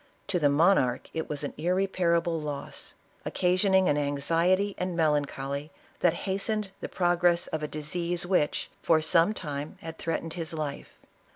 To the monarch it was an irreparable loss, occasioning an anx iety and melancholy that hastened the progress of a ISABELLA OF CASTILE. 73 disease which for some time had threatened his life.